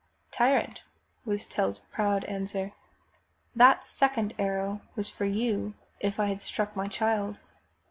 Tyrant," was Tell's proud answer, '*that second arrow was for you if I had struck my child."